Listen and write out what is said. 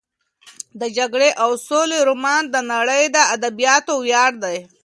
د جګړې او سولې رومان د نړۍ د ادبیاتو ویاړ دی.